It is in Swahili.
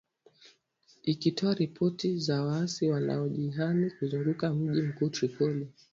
Ikitoa ripoti za waasi wanaojihami kuzunguka mji mkuu Tripoli.